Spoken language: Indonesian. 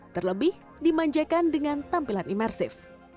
terlebih dimanjakan dengan tampilan imersif